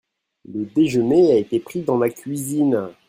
Le déjeuner a été pris dans la cuisine.